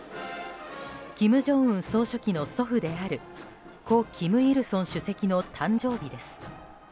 金正恩総書記の祖父である故・金日成主席の誕生日です。